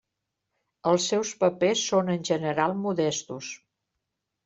Els seus papers són en general modestos.